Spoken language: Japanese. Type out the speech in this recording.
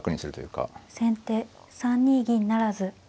先手３二銀不成。